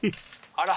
あら。